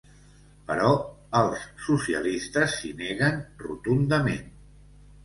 Però els socialistes s’hi neguen rotundament.